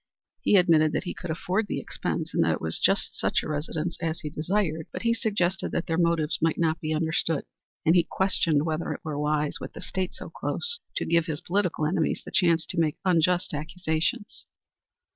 He admitted that he could afford the expense, and that it was just such a residence as he desired, but he suggested that their motives might not be understood, and he questioned whether it were wise, with the State so close, to give his political enemies the chance to make unjust accusations.